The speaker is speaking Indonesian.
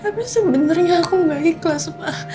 tapi sebenarnya aku gak ikhlas pak